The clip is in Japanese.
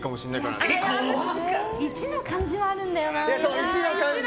１の感じはあるんだよな。